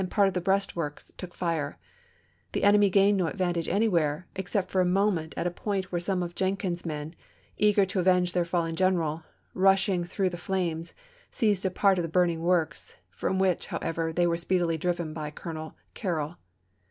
xr^ part of the breastworks took fire ; the enemy gained no advantage anywhere, except for a mo ment at a point where some of Jenkins's men, eager to avenge their fallen general, rushing through the flames, seized a part of the burning works, from which, however, they were speedily driven by Colonel Carroll.